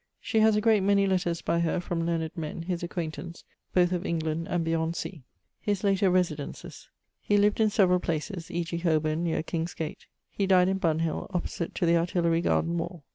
She has a great many letters by her from learned men, his acquaintance, both of England and beyond sea. <_His later residences._> He lived in several places, e.g. Holborne neer King's gate. He died in Bunhill, opposite to the Artillery garden wall.